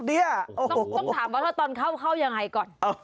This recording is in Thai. ต้องถามว่าเธอเธอเข้ายังไงก่อน